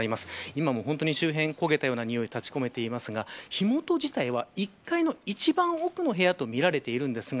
今も周辺に焦げたような臭いが立ち込めていますが火元自体は１階の一番奥の部屋とみられているんですが